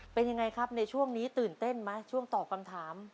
เป็นยังไงครับในช่วงนี้ตื่นเต้นไหมช่วงตอบคำถาม